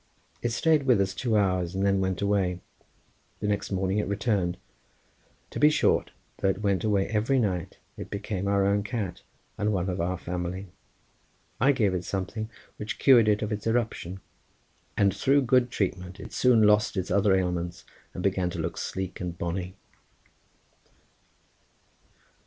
It stayed with us two hours and then went away. The next morning it returned. To be short, though it went away every night, it became our own cat, and one of our family. I gave it something which cured it of its eruption, and through good treatment it soon lost its other ailments and began to look sleek and bonny.